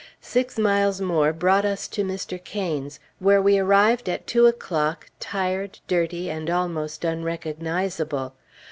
Six miles more brought us to Mr. Cain's, where we arrived at two o'clock, tired, dirty, and almost unrecognizable.